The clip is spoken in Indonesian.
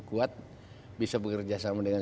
kuat bisa bekerja sama dengan